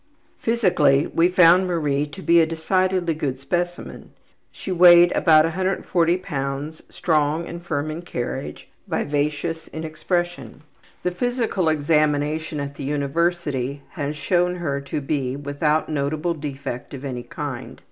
Physically we found Marie to be a decidedly good specimen. She weighed about 140 lbs. Strong and firm in carriage. Vivacious in expression. The physical examination at the university had shown her to be without notable defect of any kind.